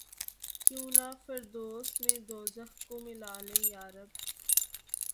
کیوں نہ فردوس میں دوزخ کو ملا لیں یارب!